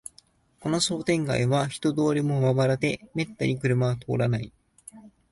この商店街は人通りもまばらで、めったに車は通らない